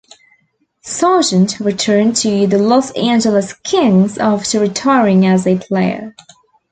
Sargent returned to the Los Angeles Kings after retiring as a player.